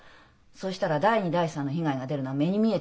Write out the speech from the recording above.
そしたら第二第三の被害が出るのは目に見えてる。